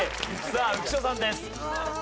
さあ浮所さんです。